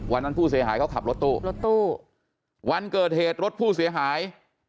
วันนั้นผู้เสียหายเขาขับรถตู้รถตู้วันเกิดเหตุรถผู้เสียหาย